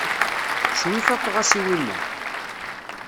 Ccwi faqeɣ-as i winna.